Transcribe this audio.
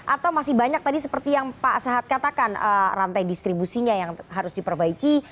atau masih banyak tadi seperti yang pak sahat katakan rantai distribusinya yang harus diperbaiki